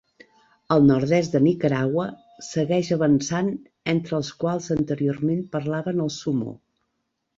Al nord-est de Nicaragua, segueix avançant entre els quals anteriorment parlaven el Sumo.